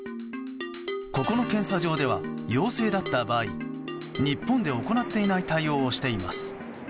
ここの検査場では陽性だった場合日本で行っていない対応をしています。